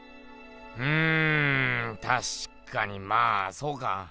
うんたしかにまあそうか。